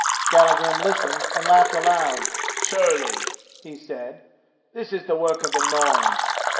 Skallagrim listened and laughed aloud. "Surely," he said, "this is the work of the Norns.